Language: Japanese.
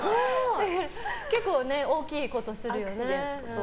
結構大きいことするよね。